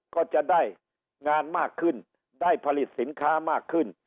ก็จะได้งานมากขึ้นได้ผลิตสินค้ามากขึ้น